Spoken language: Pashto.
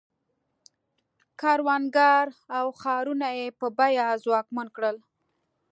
کروندګر او ښارونه یې په بیه ځواکمن کړل.